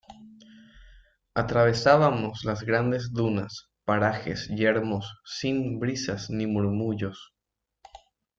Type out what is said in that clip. atravesábamos las grandes dunas, parajes yermos sin brisas ni murmullos.